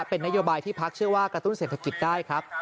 เป็นนโยบายที่พักเชื่อว่ากระตุ้นเศรษฐกิจได้ครับ